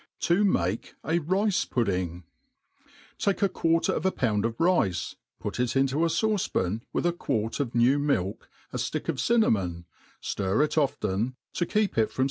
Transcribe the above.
To mah a Rice Pudding. TA|CE a quarter of a pound of rice, put it into a fiiuce pan, with a <|uart of new milk, a ftick of cinnamon, ftir it often, to ^[ keep •/ 4i8 THE ART OP CO.